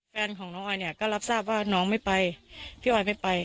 แฟนของน้องออยเนี่ยก็รับทราบว่าน้องไม่ไปพี่ออยไม่ไป